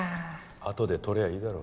あとで取りゃいいだろ。